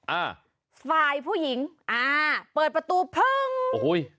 อ่าฝ่ายผู้หญิงอ่าเปิดประตูพึ่งโอ้โห